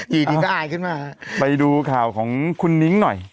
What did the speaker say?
ติดจะอาจขึ้นมากับไปดูข่าวของคุณนิ้งด์หน่อย